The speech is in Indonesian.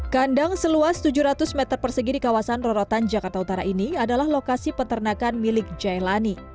kandang seluas tujuh ratus meter persegi di kawasan rorotan jakarta utara ini adalah lokasi peternakan milik jailani